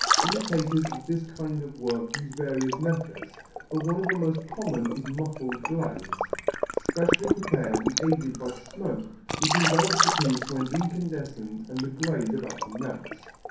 Imitators of this kind of work use various methods, but one of the most common is muffled glaze, specially prepared and aided by smoke which envelopes the piece when incandescent and the glaze about to melt.